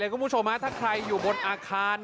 เอ๊ยโดนละ